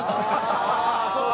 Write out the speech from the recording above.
ああーそうか！